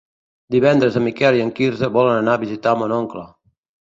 Divendres en Miquel i en Quirze volen anar a visitar mon oncle.